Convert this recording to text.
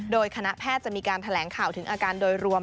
โดยคณะแพทย์จะมีการแถลงข่าวถึงอาการโดยรวม